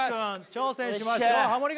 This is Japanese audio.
挑戦しましょうハモリ